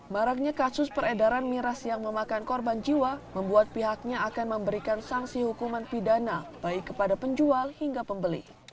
maraknya kasus peredaran miras yang memakan korban jiwa membuat pihaknya akan memberikan sanksi hukuman pidana baik kepada penjual hingga pembeli